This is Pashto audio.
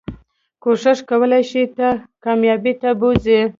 کوښښ کولی شي تا کاميابی ته بوځي